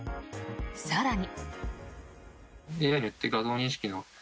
更に。